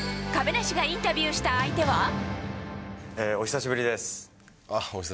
亀梨がインタビューした相手は。